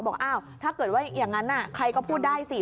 บอกอ้าวถ้าเกิดว่าอย่างนั้นใครก็พูดได้สิ